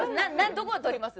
どこをとります？